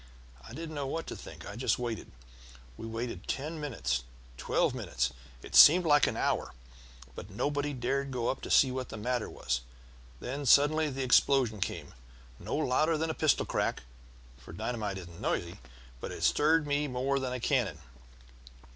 I didn't know what to think; I just waited. We waited ten minutes, twelve minutes; it seemed like an hour, but nobody dared go up to see what the matter was. Then suddenly the explosion came no louder than a pistol crack, for dynamite isn't noisy, but it stirred me more than a cannon.